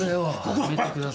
やめてくださいよ。